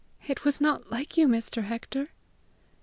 It was not like you, Mr. Hector!"